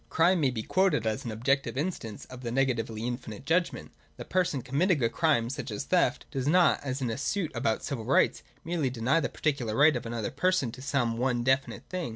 Crime may be quoted as an objective instance of the negatively infinite judgment. The person committing a crime, such as a theft, does not, as in a suit about civil rights, merely deny the particular right of another person to some one definite thing.